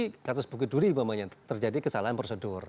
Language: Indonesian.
berarti kata sebuah geduri bahwa terjadi kesalahan prosedur